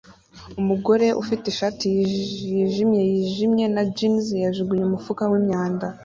Umugore ufite ishati yijimye yijimye na jans yajugunye umufuka wimyanda